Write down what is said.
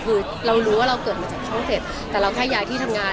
คือเรารู้ว่าเราเกิดมาจากช่อง๗แต่เราแค่ย้ายที่ทำงาน